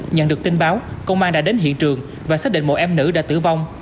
nhận được tin báo công an đã đến hiện trường và xác định một em nữ đã tử vong